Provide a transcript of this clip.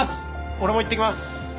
俺も行ってきます！